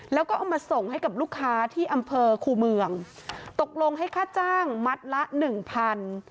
แล้วก็เอามาส่งให้กับลูกค้าที่อำเภอคูเมืองตกลงให้ค่าจ้างมัดละหนึ่งพัน